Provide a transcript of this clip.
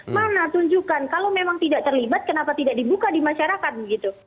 mana tunjukkan kalau memang tidak terlibat kenapa tidak dibuka di masyarakat begitu